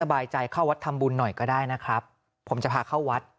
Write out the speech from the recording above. บายใจเข้าวัดทำบุญหน่อยก็ได้นะครับผมจะพาเข้าวัด